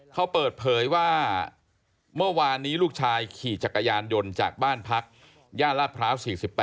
เขาเปิดเผยว่าเมื่อวานนี้ลูกชายขี่จักรยานยนต์จากบ้านพักย่านลาดพร้าว๔๘